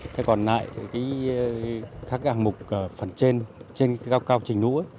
thế còn lại các hạng mục phần trên trên cái cao cao trình nũ